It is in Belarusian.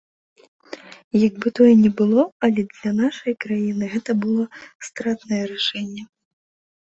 Як бы тое не было, але для нашае краіны гэта было стратнае рашэнне.